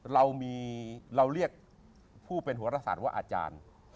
เรามีเราเรียกผู้เป็นหัวรศาสตร์ว่าอาจารย์